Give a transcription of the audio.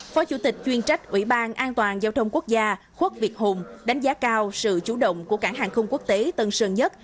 phó chủ tịch chuyên trách ủy ban an toàn giao thông quốc gia khuất việt hùng đánh giá cao sự chủ động của cảng hàng không quốc tế tân sơn nhất